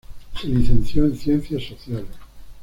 Se licenció en ciencias sociales.